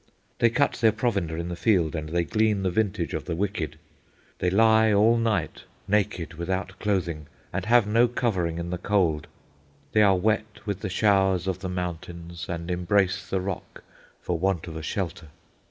They cut their provender in the field, and they glean the vintage of the wicked. They lie all night naked without clothing, and have no covering in the cold. They are wet with the showers of the mountains, and embrace the rock for want of a shelter.